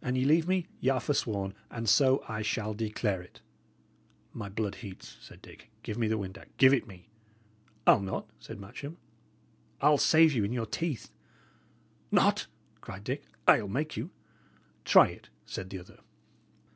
"An ye leave me, y' are forsworn, and so I shall declare it." "My blood heats," said Dick. "Give me the windac! Give it me!" "I'll not," said Matcham. "I'll save you in your teeth." "Not?" cried Dick. "I'll make you!" "Try it," said the other.